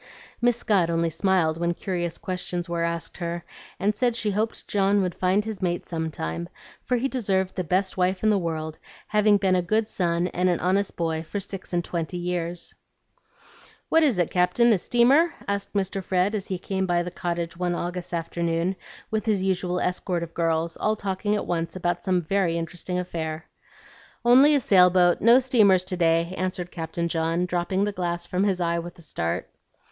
Miss Scott only smiled when curious questions were asked her, and said she hoped John would find his mate some time, for he deserved the best wife in the world, having been a good son and an honest boy for six and twenty years. "What is it, Captain, a steamer?" asked Mr. Fred, as he came by the cottage one August afternoon, with his usual escort of girls, all talking at once about some very interesting affair. "Only a sail boat; no steamers to day," answered Captain John, dropping the glass from his eye with a start.